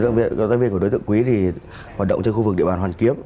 cộng tác viên của đối tượng quý thì hoạt động trên khu vực địa bàn hoàn kiếp